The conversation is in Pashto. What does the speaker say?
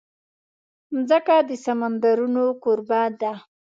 مځکه د سمندرونو کوربه ده.